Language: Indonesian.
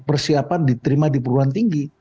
dan persiapan diterima di peruluhan tinggi